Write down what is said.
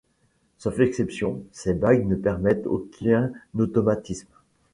Sauf exception, ces bagues ne permettent aucun automatisme.